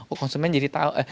oh konsumen jadi tahu